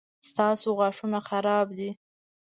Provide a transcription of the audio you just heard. ستاسو غاښونه خراب دي